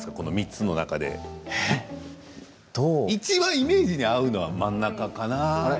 ３つの中でいちばんイメージに合うのは真ん中かな？